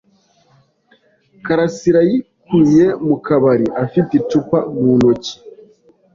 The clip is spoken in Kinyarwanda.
Karasirayikuye mu kabari afite icupa mu ntoki.